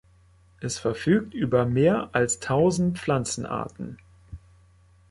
Es verfügt über mehr als tausend Pflanzenarten.